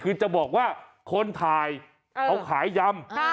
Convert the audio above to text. คือจะบอกว่าคนถ่ายเขาขายยำ